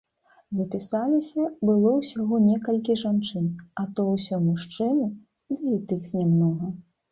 Запісаліся было ўсяго некалькі жанчын, а то ўсё мужчыны, ды і тых нямнога.